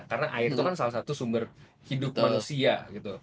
karena air itu kan salah satu sumber hidup manusia gitu